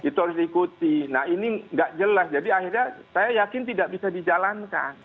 itu harus diikuti nah ini nggak jelas jadi akhirnya saya yakin tidak bisa dijalankan